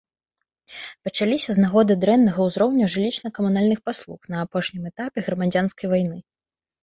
Пачаліся з нагоды дрэннага ўзроўня жылічна-камунальных паслуг на апошнім этапе грамадзянскай вайны.